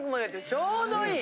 ちょうどいい！